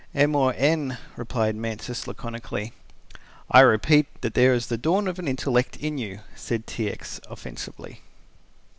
"M. or N.," replied Mansus, laconically. "I repeat that there is the dawn of an intellect in you," said T. X., offensively.